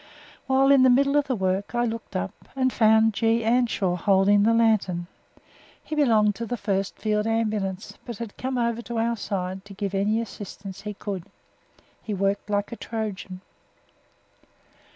While in the middle of the work I looked up and found G. Anschau holding the lantern. He belonged to the 1st Field Ambulance, but had come over to our side to give any assistance he could. He worked like a Trojan.